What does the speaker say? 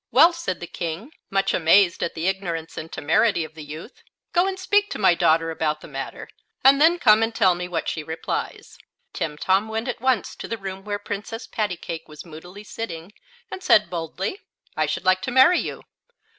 "Well," said the King, much amazed at the ignorance and temerity of the youth, "go and speak to my daughter about the matter, and then come and tell me what she replies." Timtom went at once to the room where Princess Pattycake was moodily sitting, and said, boldly: "I should like to marry you."